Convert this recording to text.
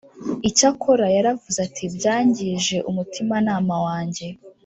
Icyakora yaravuze ati byangije umutimanama wange